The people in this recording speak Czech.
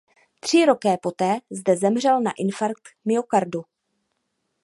Tři roky poté zde zemřel na infarkt myokardu.